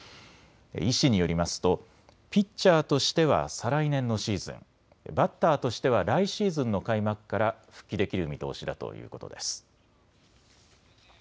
医師によりますとピッチャーとしては再来年のシーズン、バッターとしては来シーズンの開幕から復帰できる見通しだということです。